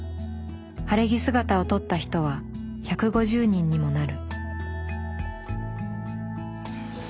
晴れ着姿を撮った人は１５０人にもなる。